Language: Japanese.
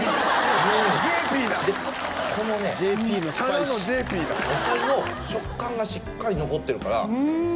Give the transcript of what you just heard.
野菜の食感がしっかり残ってるから。